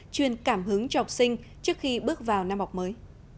chuyên cảm hứng cho học sinh trước khi bước vào năm học mới